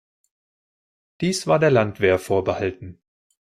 Dies war der Landwehr vorbehalten.